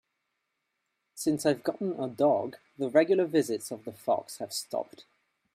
Since I've gotten a dog, the regular visits of the fox have stopped.